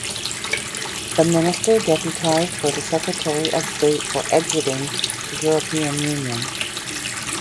The minister deputised for the Secretary of State for Exiting the European Union.